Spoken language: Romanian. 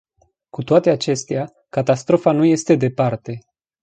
Cu toate acestea, catastrofa nu este departe.